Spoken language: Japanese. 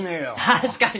確かに！